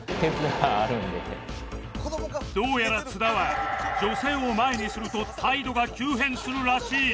どうやら津田は女性を前にすると態度が急変するらしい